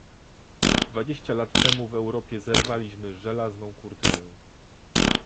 Dwadzieścia lat temu w Europie zerwaliśmy żelazną kurtynę